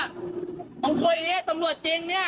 มึงคุยด้วยเนี่ยตำรวจจริงเนี่ย